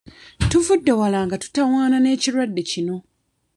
Tuvudde wala nga tutawaana n'ekirwadde kino.